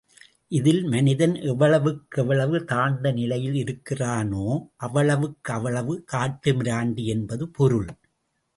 இதில் மனிதன் எவ்வளவுக்கெவ்வளவு தாழ்ந்த நிலையில் இருக்கின்றானோ, அவ்வளவுக்கவ்வளவு காட்டுமிராண்டி என்பது பொருள்.